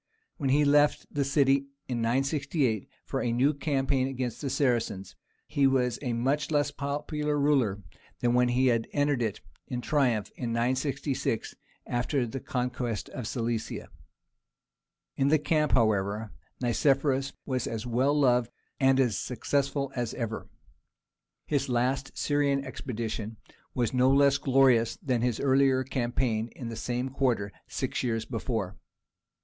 When he left the city in 968 for a new campaign against the Saracens, he was a much less popular ruler than when he had entered it in triumph in 966 after the conquest of Cilicia. In the camp, however, Nicephorus was as well loved and as successful as ever. His last Syrian expedition was no less glorious than his earlier campaign in the same quarter six years before.